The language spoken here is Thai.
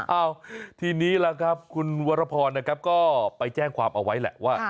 เอ้าทีนี้ล่ะครับคุณวรพรนะครับก็ไปแจ้งความเอาไว้แหละว่า